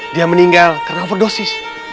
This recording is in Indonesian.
dia meninggal karena overdosis